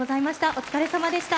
お疲れさまでした。